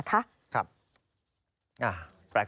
ครับ